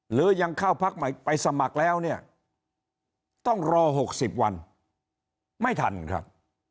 หรือยังเข้าพักใหม่ไปสมัครแล้วเนี่ยต้องรอ๖๐วันไม่ทันครับ